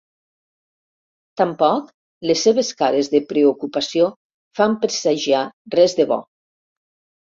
Tampoc les seves cares de preocupació fan presagiar res de bo.